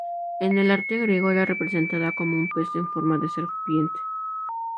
En el arte griego era representada como un pez con forma de serpiente.